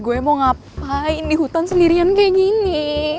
gue mau ngapain di hutan sendirian kayak gini